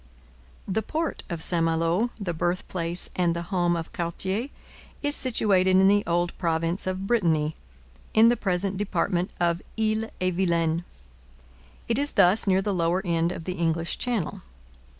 The port of St Malo, the birthplace and the home of Cartier, is situated in the old province of Brittany, in the present department of Ille et Vilaine. It is thus near the lower end of the English Channel.